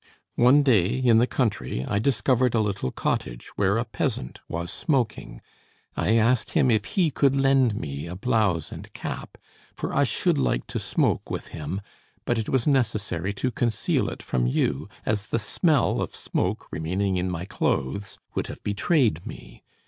One day, in the country, I discovered a little cottage, where a peasant was smoking. I asked him if he could lend me a blouse and cap; for I should like to smoke with him, but it was necessary to conceal it from you, as the smell of smoke, remaining in my clothes, would have betrayed me.